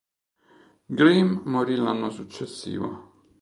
Grimm morì l'anno successivo.